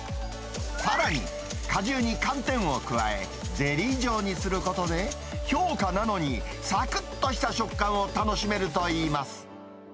さらに、果汁に寒天を加え、ゼリー状にすることで、氷菓なのに、さくっとした食感を楽しめるといいます。